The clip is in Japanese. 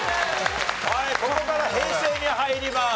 はいここから平成に入ります。